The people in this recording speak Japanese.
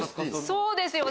そうですよ！